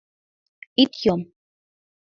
Ит йом…